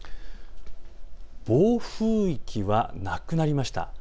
暴風域はなくなりました。